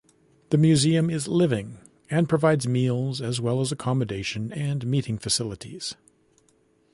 The museum is "living" and provides meals as well as accommodation and meeting facilities.